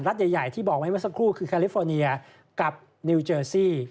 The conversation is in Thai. ใหญ่ที่บอกไว้เมื่อสักครู่คือแคลิฟอร์เนียกับนิวเจอร์ซี่